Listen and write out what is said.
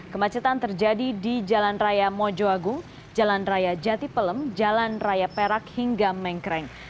kemacetan terjadi di jalan raya mojoagung jalan raya jati pelem jalan raya perak hingga mengkreng